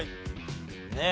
ねえ？